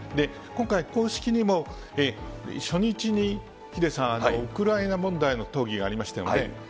今回、公式にも初日にヒデさん、ウクライナ問題の討議がありましたよね。